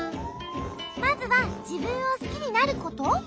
まずはじぶんをすきになること？